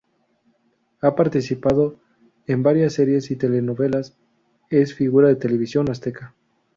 Ha participado en varias series y telenovelas, es figura de televisión Azteca.